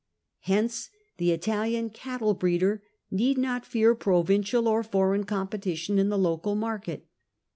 Hence the Italian cattle breeder need not fear provincial or foreign competition in the local market.